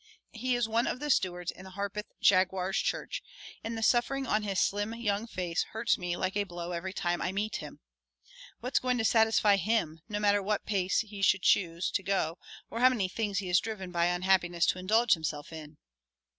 He is one of the stewards in the Harpeth Jaguar's church, and the suffering on his slim young face hurts me like a blow every time I meet him. What's going to satisfy him, no matter what pace he should choose to go or how many things he is driven by unhappiness to indulge himself in?